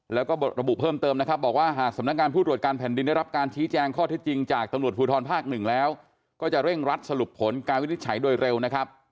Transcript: แล้วก็ระบุเพิ่มเติมนะครับบอกว่าหากสำนักงานผู้ตรวจการแผ่นดินได้รับการชี้แจงข้อเท็จจริงจากตำรวจภูทรภาคหนึ่งแล้วก็จะเร่งรัดสรุปผลการวินิจฉัยโดยเร็วนะครับ